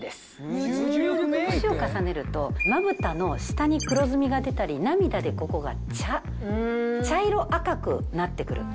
まぶたの下に黒ずみが出たり涙でここが茶色赤くなってくる。